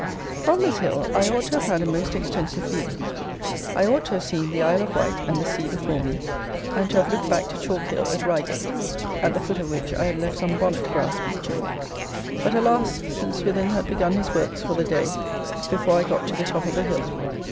From this hill I ought to have had a most extensive view. I ought to have seen the Isle of Wight and the sea before me; and to have looked back to Chalk Hill at Reigate, at the foot of which I had left some bonnet grass bleaching. But, alas! Saint Swithin had begun his works for the day before I got to the top of the hill.